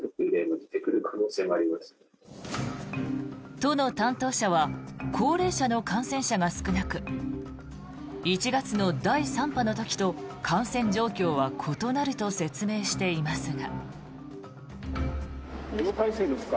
都の担当者は高齢者の感染者が少なく１月の第３波の時と感染状況は異なると説明していますが。